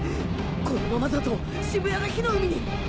このままだと渋谷が火の海に